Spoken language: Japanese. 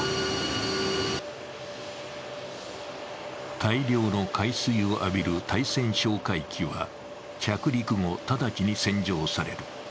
大量の海水を浴びる対潜哨戒機は着陸後、直ちに洗浄される。